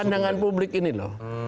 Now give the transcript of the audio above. pandangan publik ini loh